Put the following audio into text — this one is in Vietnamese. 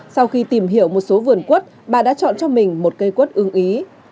sau khi tìm hiểu một số vườn quất bà đã chọn cho mình một cây quất ưng ý